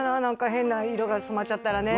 変な色が染まっちゃったらね